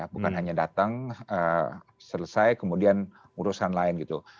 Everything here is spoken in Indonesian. bukan hanya datang selesai kemudian urusan lain gitu